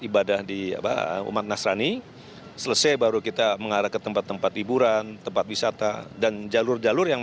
bagaimana dengan kota bandung